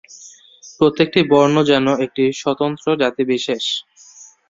প্রত্যেকটি বর্ণ যেন একটি স্বতন্ত্র জাতিবিশেষ।